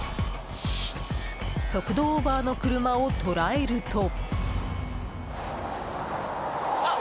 速度オーバーの車を捉えると。